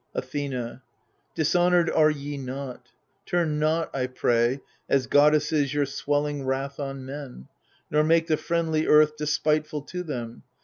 Athena Dishonoured are ye not ; turn not, I pray. As goddesses your swelling wrath on men, Nor make the friendly earth despiteful to them.